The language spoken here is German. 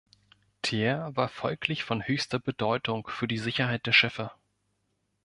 Teer war folglich von höchster Bedeutung für die Sicherheit der Schiffe.